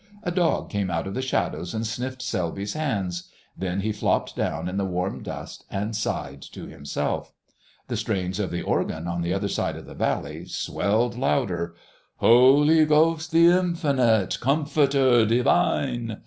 A dog came out of the shadows and sniffed Selby's hands: then he flopped down in the warm dust and sighed to himself. The strains of the organ on the other side of the valley swelled louder:— "... Holy Ghost the Infinite, Comforter Divine..."